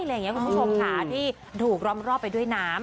อะไรเงี้ยคุณผู้ชมค่ะที่ถูกรอบไปด้วยน้ำ